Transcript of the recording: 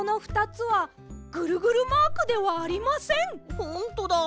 ほんとだ。